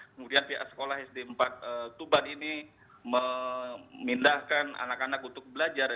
kemudian pihak sekolah sd empat tuban ini memindahkan anak anak untuk belajar